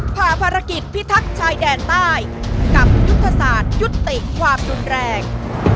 ผ่าภารกิจพิทักษ์ชายแดนใต้กับยุทธศาสตร์ยุติความรุนแรง